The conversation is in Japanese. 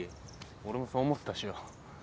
俺もそう思ってたしよ。